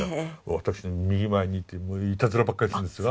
私の右前にいてもういたずらばっかりするんですが。